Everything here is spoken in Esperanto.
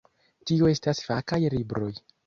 Tio estas fakaj libroj.